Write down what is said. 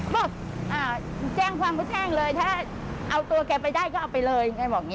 บอกแจ้งความก็แจ้งเลยถ้าเอาตัวแกไปได้ก็เอาไปเลย